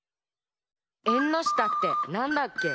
「えんのしたってなんだっけ？」